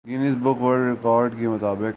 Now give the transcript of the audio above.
Guinness book world record کے مطابق